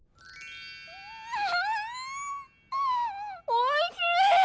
おいしい！